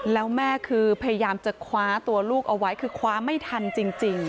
แล้วแม่คือพยายามจะคว้าตัวลูกเอาไว้คือคว้าไม่ทันจริง